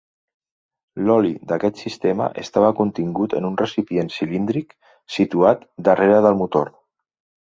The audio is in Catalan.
L'oli d'aquest sistema estava contingut en un recipient cilíndric situat darrere del motor.